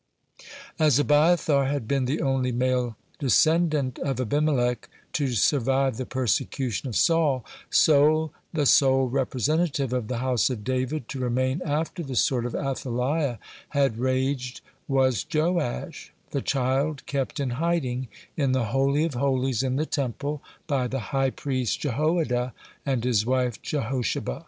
As Abiathar had been the only male descendant of Abimelech to survive the persecution of Saul, so the sole representative of the house of David to remain after the sword of Athaliah had raged (7) was Joash, the child kept in hiding, in the Holy of Holies in the Temple, by the high priest Jehoiada and his wife Jehosheba.